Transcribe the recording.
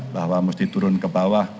bahwa mesti turun ke bawah